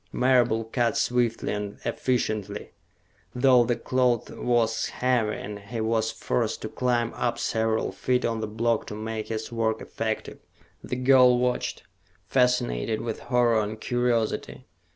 Marable cut swiftly and efficiently, though the cloth was heavy and he was forced to climb up several feet on the block to make his work effective. The girl watched, fascinated with horror and curiosity.